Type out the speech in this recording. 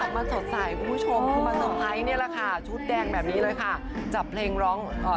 มาสดใสคุณผู้ชมคือมาเซอร์ไพรส์เนี่ยแหละค่ะ